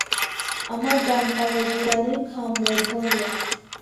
আমার ডান পায়ের গোড়ালি কামড়ে ধরল।